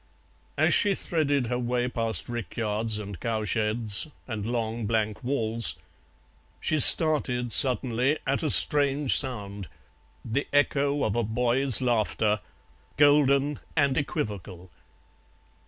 As she threaded her way past rickyards and cowsheds and long blank walls, she started suddenly at a strange sound the echo of a boy's laughter, golden and equivocal.